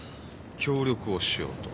協力をしようと。